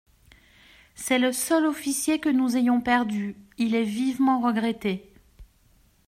C'est le seul officier que nous ayons perdu : il est vivement regretté.